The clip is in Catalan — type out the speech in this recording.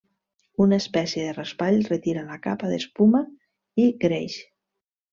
Una espècie de raspall retira la capa d'espuma i greix.